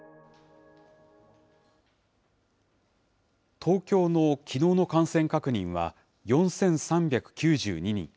東京のきのうの感染確認は４３９２人。